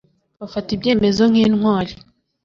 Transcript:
bafata ibyemezo nk'intwari